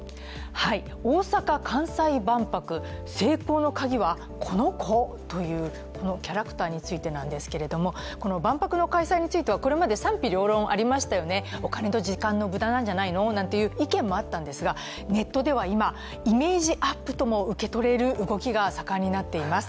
大阪・関西万博、成功のカギは、このコ？という、このキャラクターについてなんですけれども、この万博の開催についてはこれまで賛否両論ありましたよねお金と時間の無駄なんじゃないのという意見もあったんですが、ネットでは今、イメージアップとも受け取れる動きが盛んになっています。